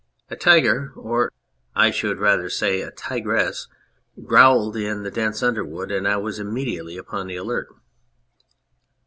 . A tiger, or, I should rather say, a tigress, growled in the dense underwood, and I was imme diately upon the alert."